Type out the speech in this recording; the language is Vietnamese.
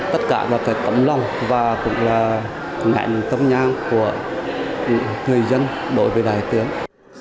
tất cả là cái tấm lòng và cũng là nạn tấm nhang của người dân đối với đại tướng